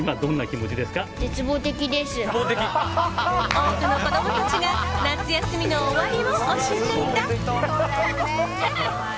多くの子供たちが夏休みの終わりを惜しんでいた。